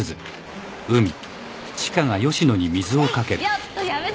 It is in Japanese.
ちょっとやめて。